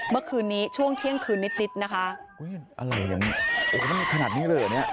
เมื่อคืนนี้ช่วงเที่ยงคืนนิดนิดนะคะอุ้ยอะไรอย่างนี้โอ้ยไม่มีขนาดนี้เลยอ่ะเนี่ย